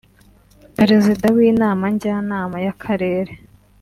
Perezida w’Inama Njyanama y’akarere